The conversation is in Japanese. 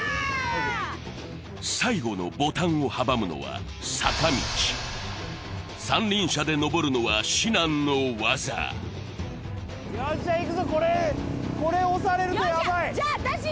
最後のボタンを阻むのは三輪車でのぼるのは至難の業よっしゃいくぞこれこれ押されるとやばい！